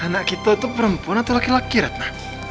anak kita itu perempuan atau laki laki ratna